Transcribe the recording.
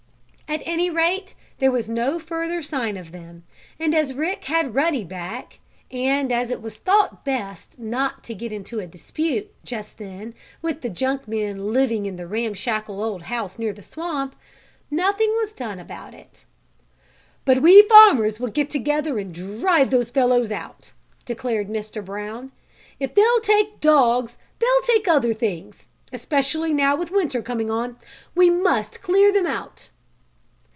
At any rate there was no further sign of them, and as Rick had Ruddy back, and as it was thought best not to get into a dispute, just then, with the junk men living in the ramshackle old house near the swamp, nothing was done about it. "But we farmers will get together and drive those fellows out!" declared Mr. Brown. "If they'll take dogs they'll take other things, especially now with winter coming on. We must clear them out!"